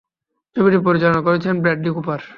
ছবিটি পরিচালনা করেছেন ব্র্যাডলি কুপার।